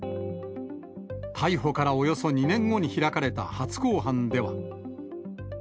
逮捕からおよそ２年後に開かれた初公判では。